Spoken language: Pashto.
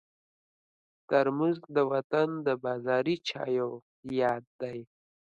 ترموز د وطن د بازاري چایو یاد دی.